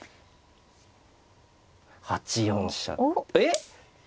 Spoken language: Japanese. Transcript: ８四飛車えっ！